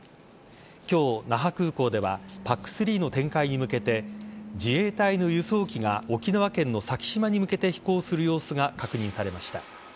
今日、那覇空港ではＰＡＣ‐３の展開に向けて自衛隊の輸送機が沖縄県の先島に向けて飛行する様子が確認されました。